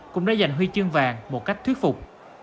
cũng đã giành huy chương vàng một cách thuyết phục